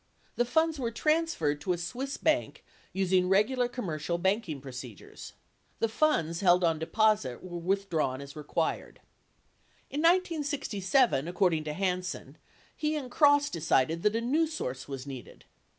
The funds were transferred to a Swiss bank using regular commercial banking procedures. The funds held on deposit were withdraAvn as required. In 1967, according to Hansen, he and Cross decided that a new source was needed.